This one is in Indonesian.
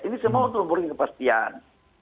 ini semua untuk memberi kepastian